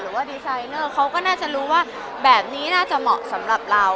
ว่าดีไซเนอร์เขาก็น่าจะรู้ว่าแบบนี้น่าจะเหมาะสำหรับเรา